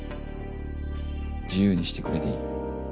自由にしてくれていい。